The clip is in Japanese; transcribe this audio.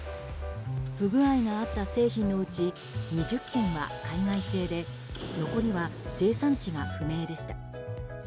不具合があった製品のうち２０件は海外製で残りは生産地が不明でした。